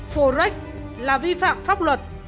forex là vi phạm pháp luật